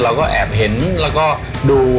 เราก็แอบเห็นแล้วก็ดู